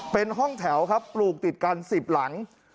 เป็นห้องแถวครับปลูกติดกัน๑๐หลัง